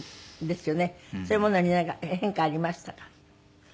そういうものになんか変化ありましたか？